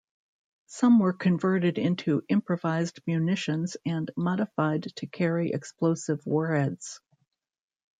Some were converted into improvised munitions and modified to carry explosive warheads.